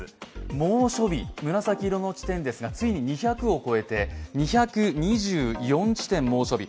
猛暑日、紫色の地点ですが、２００を超えて２２４地点、猛暑日。